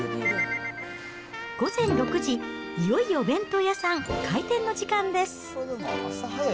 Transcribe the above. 午前６時、いよいよお弁当屋さん、開店の時間です。